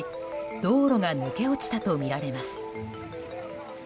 道路が抜け落ちたとみられます。